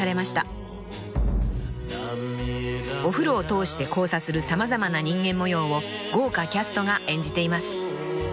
［お風呂を通して交差する様々な人間模様を豪華キャストが演じています］